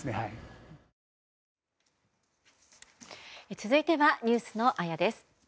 続いてはニュースのあやです。